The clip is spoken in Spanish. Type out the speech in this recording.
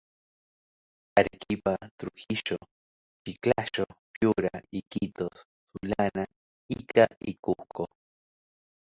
Arequipa, Trujillo, Chiclayo, Piura, Iquitos, Sullana, Ica y Cusco.